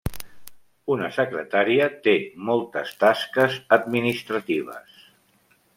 Una secretària té moltes tasques administratives.